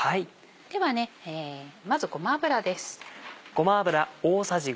ではまずごま油です。